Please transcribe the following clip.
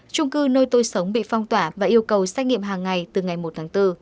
trung cư nơi tôi sống bị phong tỏa và yêu cầu xét nghiệm hàng ngày từ ngày một tháng bốn